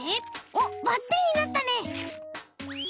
おっバッテンになったね。